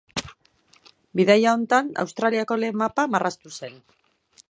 Bidaia honetan Australiako lehen mapa marraztu zen.